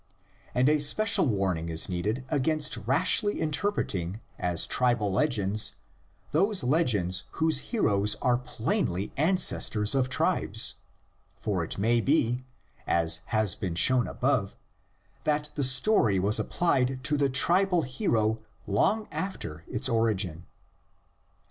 And a spe cial warning is needed against rashly interpreting as tribal legends those legends whose heroes are plainly ancestors of tribes, for it may be, as has been shown above, that the story was applied to the tribal hero long after its origin.